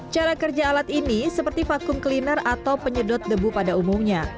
cara kerja alat ini seperti vakum cleaner atau penyedot debu pada umumnya